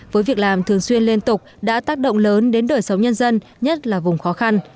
với việc làm thường xuyên liên tục đã tác động lớn đến đời sống nhân dân nhất là vùng khó khăn